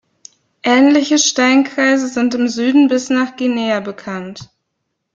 Ähnliche Steinkreise sind im Süden bis nach Guinea bekannt.